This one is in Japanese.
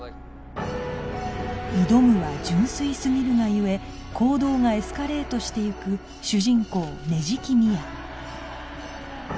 挑むは純粋すぎるがゆえ行動がエスカレートしていく主人公捻木深愛